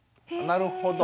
なるほど。